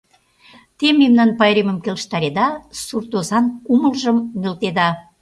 Те мемнан пайремым келыштареда, сурт озан кумылжым нӧлтеда.